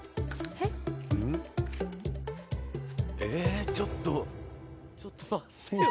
ちょっとちょっと待って。